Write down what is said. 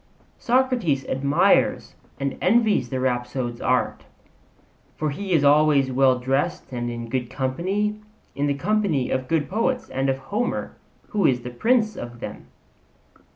Socrates admires and envies the rhapsode's art; for he is always well dressed and in good company in the company of good poets and of Homer, who is the prince of them.